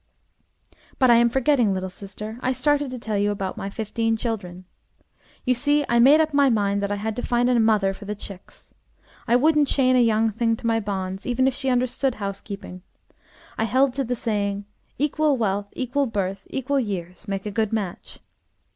"But I am forgetting, little sister. I started to tell you about my fifteen children. You see I made up my mind that I had to find a mother for the chicks. I wouldn't chain a young thing to my bonds, even if she understood housekeeping. I held to the saying, 'Equal wealth, equal birth, equal years make a good match.'